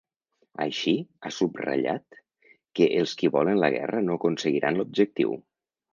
Així, ha subratllat que els qui volen la guerra no aconseguiran l’objectiu.